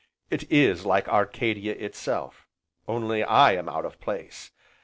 It is like Arcadia itself, and only I am out of place.